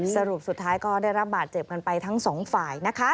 สรุปสุดท้ายก็ได้รับบาดเจ็บกันไปทั้งสองฝ่ายนะคะ